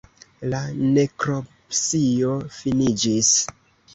La nekropsio finiĝis.